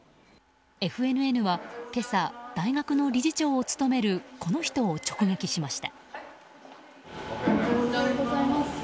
ＦＮＮは、今朝大学の理事長を務めるこの人を直撃しました。